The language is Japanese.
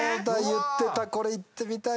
言ってた。